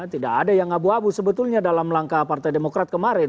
tidak ada yang abu abu sebetulnya dalam langkah partai demokrat kemarin